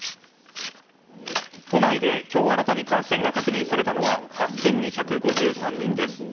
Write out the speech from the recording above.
都内で今日新たに感染が確認されたのは８２５３人です。